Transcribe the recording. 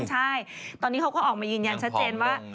ใช่ตอนนี้เขาก็ออกมายืนยันชัดเจนว่า